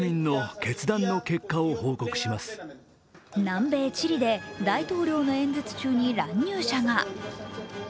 南米チリで大統領の演説中に乱入者が。